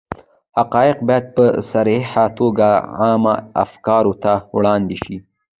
حقایق باید په صریحه توګه عامه افکارو ته وړاندې شي.